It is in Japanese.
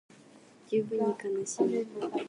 十分に悲しむ